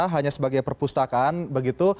hanya sebagai perpustakaan begitu